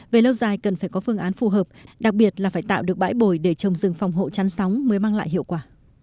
về lâu dài cần phải có phương án phù hợp đặc biệt là phải tạo được bãi bồi để trồng rừng phòng hộ chắn sóng mới mang lại hiệu quả